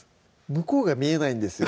向こうが見えないんですよ